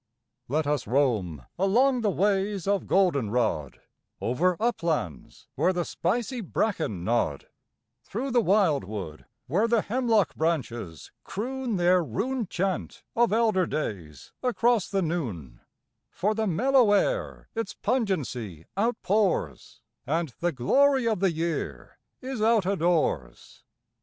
Let us roam along the ways of golden rod Over uplands where the spicy bracken nod, Through the wildwood where the hemlock branches croon Their rune chant of elder days across the noon, For the mellow air its pungency outpours, And the glory of the year is out o' doors